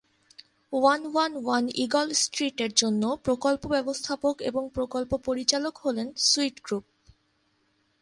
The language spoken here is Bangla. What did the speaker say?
One one one Eagle Street এর জন্য প্রকল্প ব্যবস্থাপক এবং প্রকল্প পরিচালক হলেন সুইট গ্রুপ।